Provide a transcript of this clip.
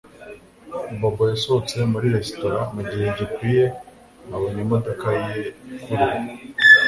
Bobo yasohotse muri resitora mugihe gikwiye abona imodoka ye ikururwa